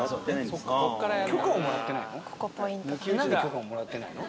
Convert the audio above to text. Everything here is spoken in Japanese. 許可をもらってないの？